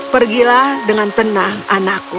pergilah dengan tenang anakku